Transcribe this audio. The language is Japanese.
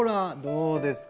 どうです？